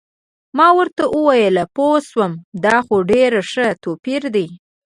ما ورته وویل: پوه شوم، دا خو ډېر ښه توپیر دی.